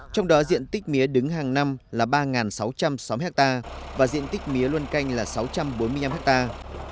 trong đó diện tích mía đứng hàng năm là ba sáu trăm sáu mươi hectare và diện tích mía luân canh là sáu trăm bốn mươi năm hectare